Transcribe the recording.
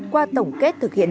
qua tổng kết thực hiện